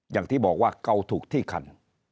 อย่างที่บอกว่าเกาถูกที่คัน